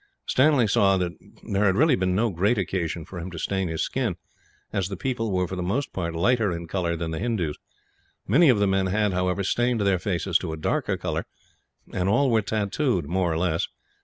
Stanley saw that there had really been no great occasion for him to stain his skin, as the people were, for the most part, lighter in colour than the Hindoos. Many of the men had, however, stained their faces to a darker colour; and all were tattooed, more or less.